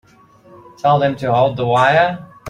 Tell them to hold the wire.